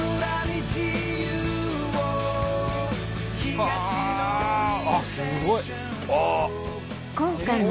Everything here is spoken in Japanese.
はぁあっすごい。